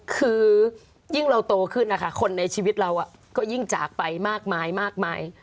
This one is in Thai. คือยิ่งเราโตขึ้นนะคะคนในชีวิตเราก็ยิ่งจากไปมากมายมากมาย